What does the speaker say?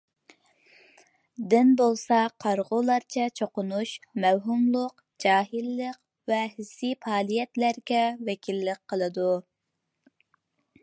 دىن بولسا، قارىغۇلارچە چوقۇنۇش، مەۋھۇملۇق، جاھىللىق ۋە ھېسسىي پائالىيەتلەرگە ۋەكىللىك قىلىدۇ.